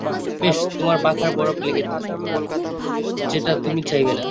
বেশ, তোমার পাখায় বরফ লেগে যাক সেটাও তুমি চাইবে না।